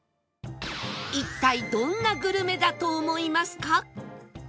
一体どんなグルメだと思いますか？